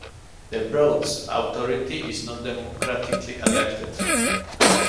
The Broads Authority is not democratically elected.